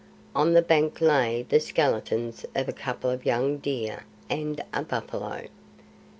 On the bank lay the skeletons of a couple of young deer and a buffalo.